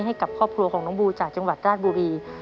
ให้กับครอบครัวของน้องบูจากจังหวัดราชบุรี